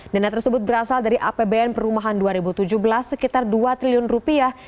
dana tersebut berasal dari apbn perumahan dua ribu tujuh belas sekitar dua triliun rupiah